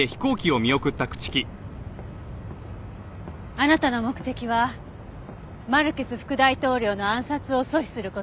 あなたの目的はマルケス副大統領の暗殺を阻止する事。